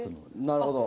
なるほど。